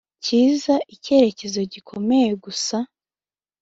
kiza icyerekezo gikomeye gusa